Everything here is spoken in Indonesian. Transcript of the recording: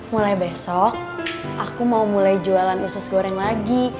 mulai besok aku mau mulai jualan usus goreng lagi